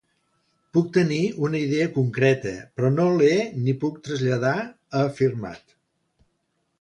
Puc tenir una idea concreta però no l’he ni puc traslladar, ha afirmat.